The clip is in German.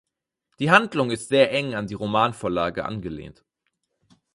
Die Handlung ist sehr eng an die Romanvorlage angelehnt.